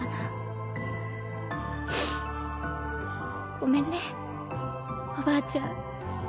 ごめんねおばあちゃん。